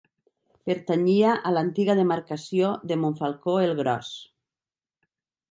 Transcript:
Pertanyia a l'antiga demarcació de Montfalcó el Gros.